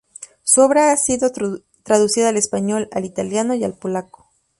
Su obra ha sido traducida al español, al italiano y al polaco.